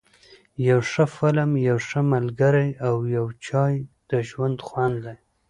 یو ښه فلم، یو ښه ملګری او یو چای ، د ژوند خوند دی.